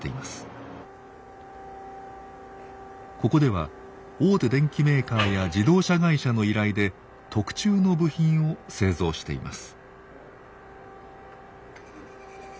ここでは大手電機メーカーや自動車会社の依頼で特注の部品を製造しています。